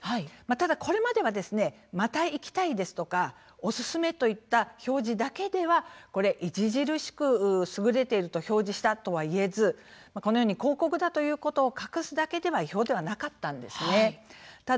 ただこれまではですね「また行きたいです！」とか「おすすめ！」といった表示だけでは著しく優れていると表示したとは言えずこのように広告だということを隠すだけでは違法ではなかったんですね。